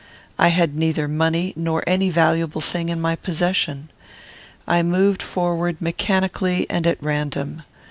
I had neither money nor any valuable thing in my possession. I moved forward mechanically and at random.